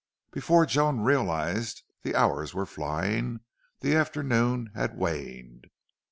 Before Joan realized the hours were flying, the afternoon had waned.